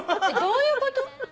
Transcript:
どういうこと？